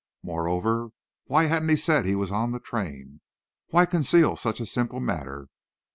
Moreover, why hadn't he said he was on that train? Why conceal such a simple matter?